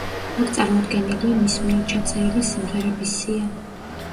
აქ წარმოდგენილია მის მიერ ჩაწერილი სიმღერების სია.